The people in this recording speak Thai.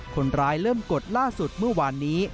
คนร้ายเริ่มกดล่าสุดเมื่อวานนี้